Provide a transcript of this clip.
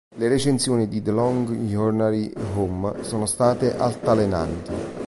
La recensioni di "The Long Journey Home" sono state altalenanti.